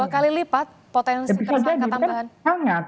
dua kali lipat potensi tersangka tambahan